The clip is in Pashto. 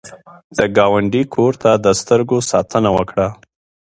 د ګاونډي کور ته د سترګو ساتنه وکړه